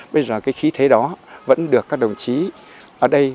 bây giờ cái khí thế đó vẫn được các đồng chí ở đây